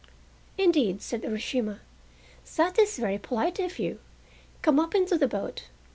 "Indeed," said Urashima, "that is very polite of you. Come up into the boat.